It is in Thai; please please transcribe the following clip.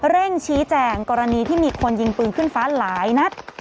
เร่งชี้แจงกรณีที่มีคนยิงปืนขึ้นฟ้าหลายนัด